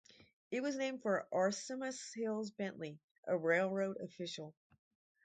It was named for Orsemus Hills Bentley, a railroad official.